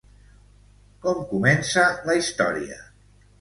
Com comença la història?